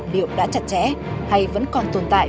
liệu đã chặt chẽ hay vẫn còn tồn tại